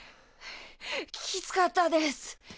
きつかったです。